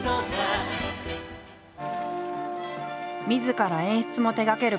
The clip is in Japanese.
みずから演出も手がける